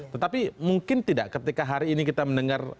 tetapi mungkin tidak ketika hari ini kita mendengar